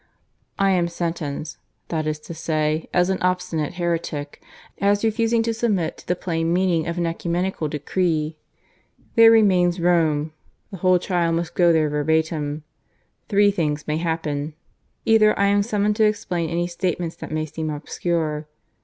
I am sentenced, that is to say, as an obstinate heretic as refusing to submit to the plain meaning of an ecumenical decree. There remains Rome. The whole trial must go there verbatim. Three things may happen. Either I am summoned to explain any statements that may seem obscure.